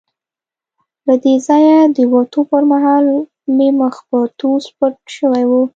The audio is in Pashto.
له دې ځایه د وتو پر مهال مې مخ په توس پټ شوی وو.